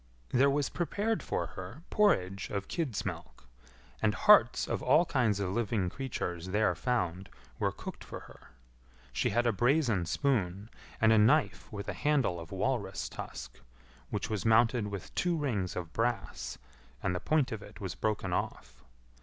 There was prepared for her porridge of kid's milk, and hearts of all kinds of living creatures there found were cooked for her. She had a brazen spoon, and a knife with a handle of walrus tusk, which was mounted with two rings of brass, and the point of it was broken off.